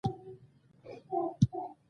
وایي: په تعلیم او ساینس کې موږ مخکې یو.